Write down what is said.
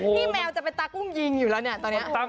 แหมวจะไปตักรุงยิงอยู่แล้วนี่ตอนนี้